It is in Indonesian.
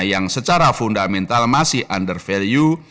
yang secara fundamental masih under value